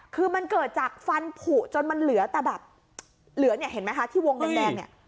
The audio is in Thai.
คือมันเกิดจากฟันผูจนมันเหลือแต่แบบเหลือเนี่ยเห็นไหมคะที่วงแดงเนี่ย